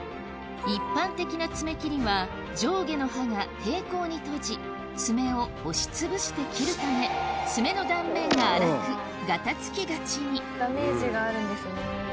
一般的な爪切りは上下の刃が平行に閉じ爪を押しつぶして切るため爪の断面が粗くガタつきがちにダメージがあるんですね。